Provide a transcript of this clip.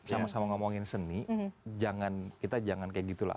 sama sama ngomongin seni kita jangan kayak gitu lah